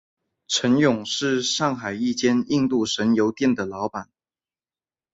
程勇是上海一间印度神油店的老板。